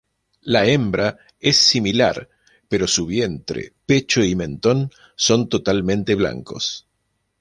La hembra es similar, pero su vientre, pecho y mentón son totalmente blancos.